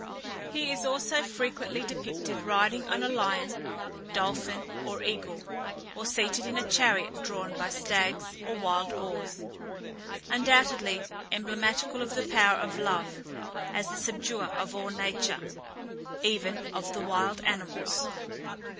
He is also frequently depicted riding on a lion, dolphin, or eagle, or seated in a chariot drawn by stags or wild boars, undoubtedly emblematical of the power of love as the subduer of all nature, even of the wild animals.